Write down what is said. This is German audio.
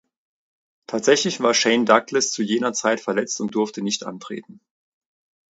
Tatsächlich war Shane Douglas zu jener Zeit verletzt und durfte nicht antreten.